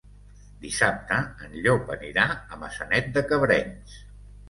Dissabte en Llop anirà a Maçanet de Cabrenys.